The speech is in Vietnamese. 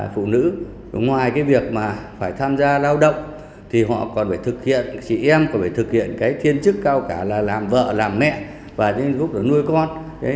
phụ nữ ngoài việc phải tham gia lao động thì họ còn phải thực hiện chị em còn phải thực hiện thiên chức cao cả là làm vợ làm mẹ và nuôi con